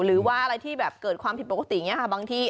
หรือว่าอะไรที่แบบเกิดความผิดปกติอย่างนี้ค่ะบางที่